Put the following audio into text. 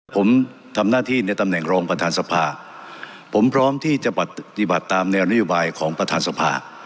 ผมทำหน้าที่ในตำแหน่งรองประธานสภาผมพร้อมที่จะปฏิบัติตามแนวนโยบายของประธานสภา